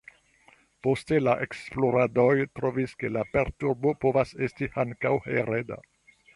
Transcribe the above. Poste la esploradoj trovis, ke la perturbo povas esti ankaŭ hereda.